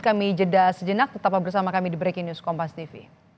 kami jeda sejenak tetaplah bersama kami di breaking news kompas tv